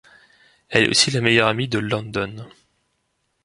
Elle est aussi la meilleure amie de London.